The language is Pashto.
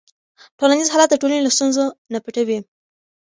ټولنیز حالت د ټولنې له ستونزو نه پټوي.